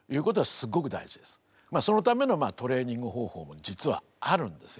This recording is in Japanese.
そのためのトレーニング方法も実はあるんですよ。